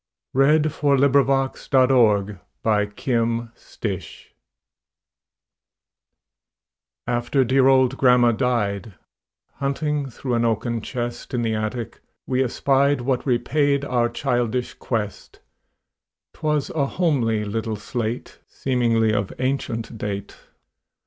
Eugene Field Little Homer's Slate AFTER dear old grandma died, Hunting through an oaken chest In the attic, we espied What repaid our childish quest; 'Twas a homely little slate, Seemingly of ancient date.